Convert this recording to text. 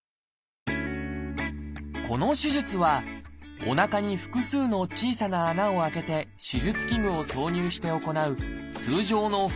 この手術はおなかに複数の小さな穴を開けて手術器具を挿入して行う通常の腹くう鏡